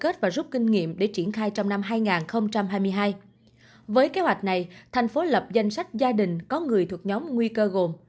tp hcm đã lập danh sách gia đình có người thuộc nhóm nguy cơ gồm